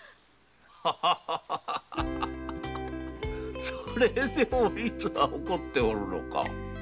ハハハそれでお律は怒っておるのか。